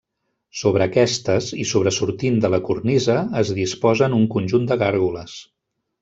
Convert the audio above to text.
Sobre aquestes i sobresortint de la Cornisa es disposen un conjunt de gàrgoles.